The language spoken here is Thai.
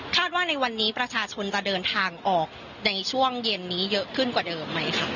ว่าในวันนี้ประชาชนจะเดินทางออกในช่วงเย็นนี้เยอะขึ้นกว่าเดิมไหมคะ